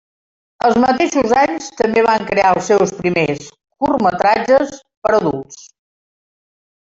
Els mateixos anys també van crear els seus primers curtmetratges per a adults.